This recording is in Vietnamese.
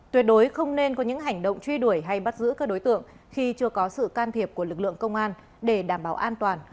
tuyệt đối không nên có những hành động truy đuổi hay bắt giữ các đối tượng khi chưa có sự can thiệp của lực lượng công an để đảm bảo an toàn